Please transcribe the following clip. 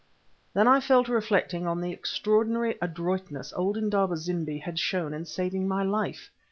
Then I fell to reflecting on the extraordinary adroitness old Indaba zimbi had shown in saving my life.